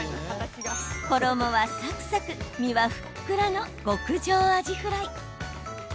衣はサクサク、身はふっくらの極上アジフライ。